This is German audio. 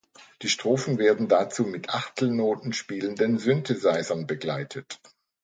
Die Strophen werden dazu mit Achtelnoten spielenden Synthesizern begleitet.